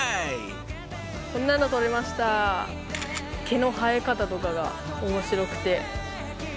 毛の生え方とかが面白くて。